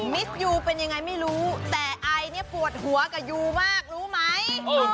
มิสยูเป็นยังไงไม่รู้แต่ไอเนี่ยปวดหัวกับยูมากรู้ไหม